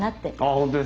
本当ですか。